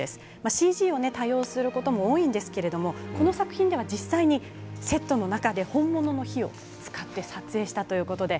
ＣＧを多用することも多いんですけれどもこの作品では実際にセットの中で本物の火を使って撮影したということです。